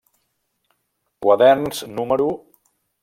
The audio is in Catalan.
Quaderns no.